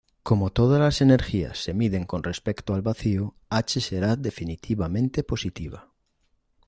Como todas las energías se miden con respecto al vacío, H será definitivamente positiva.